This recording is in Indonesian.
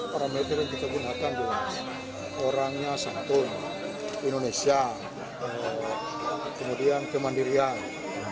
parameter yang kita gunakan orangnya santun indonesia kemudian kemandirian